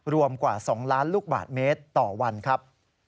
รวมกว่า๒ล้านลูกบาทเมตรต่อวันครับ